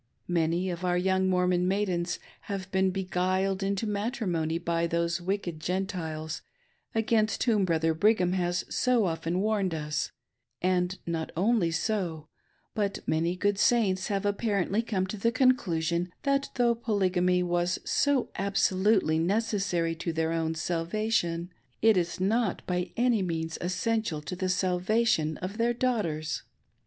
Many of our young Mormon maidens have been beguiled into matrimony by these wicked Gentiles, against whom Brother Brigham has so often warned us ; and not only so, but many good Saints have apparently come to theconclusion that though Polygamy was so absolutely necessary to their own salvation, it is not by any means essential to the salvation of their daughters.